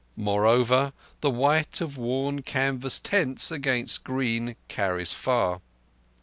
Moreover, the white of worn canvas tents against green carries far.